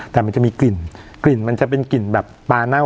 แต่มันจะมีกลิ่นกลิ่นมันจะเป็นกลิ่นแบบปลาเน่า